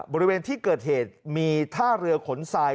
บริเวณที่เกิดเหตุมีท่าเรือขนทราย